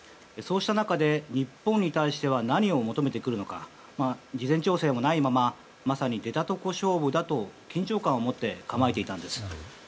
そうした中で、日本に対しては何を求めてくるのか事前調整もないまままさに出たとこ勝負だと緊張感を持って構えていたんです。